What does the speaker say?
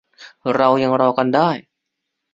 เรายังรอกันได้